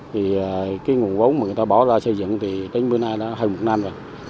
vì cái nguồn vốn mà người ta bỏ ra xây dựng thì tính bữa nay đã hơn một năm rồi